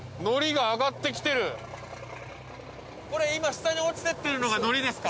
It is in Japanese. これ今下に落ちてってるのがのりですか？